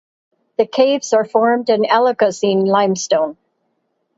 The caves are formed in Oligocene limestone.